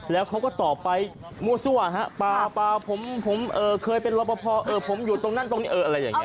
แล้วเขาก็ตอบไปมั่วสั่วครับป่าวป่าวผมเคยเป็นรบพอผมอยู่ตรงนั้นตรงนี้อะไรอย่างนี้